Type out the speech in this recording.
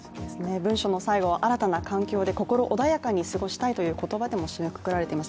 文書の最後は、新たな環境で心穏やかに過ごしたいという言葉でも締めくくられています